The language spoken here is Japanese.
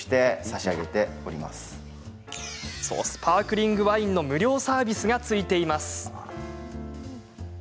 スパークリングワインの無料サービスがついています。